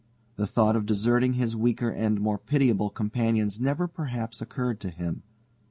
The thought of deserting his weaker and more pitiable companions never perhaps occurred to him.